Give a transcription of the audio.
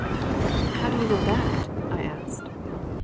"How do you know that?" I asked.